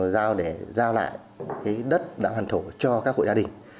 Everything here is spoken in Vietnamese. giao để giao lại đất đạo hoàn thổ cho các hội gia đình